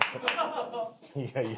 いやいや。